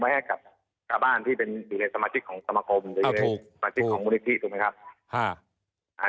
แม้กับกระบ้านที่เป็นสมาชิกของสมาคมหรือสมาชิกของมูลิธิถูกไหมครับ